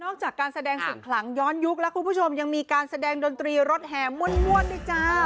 จากการแสดงสิ่งขลังย้อนยุคแล้วคุณผู้ชมยังมีการแสดงดนตรีรถแห่ม่วนด้วยจ้า